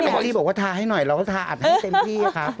พี่บอกว่าทาให้หน่อยเราก็ทาหนึ่งเต็มที่ครับ